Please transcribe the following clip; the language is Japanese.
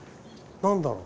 何だろう？